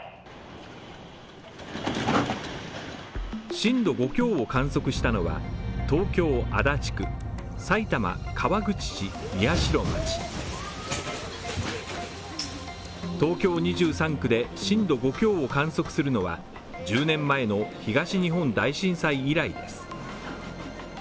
震度５強を観測したのは東京足立区、埼玉川口市宮代町東京２３区で震度５強を観測するのは１０年前の東日本大震災以来です。